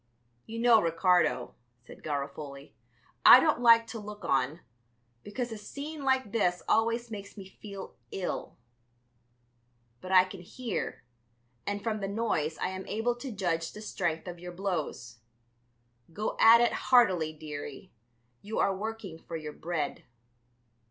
"You know, Ricardo," said Garofoli, "I don't like to look on, because a scene like this always makes me feel ill. But I can hear, and from the noise I am able to judge the strength of your blows. Go at it heartily, dearie; you are working for your bread."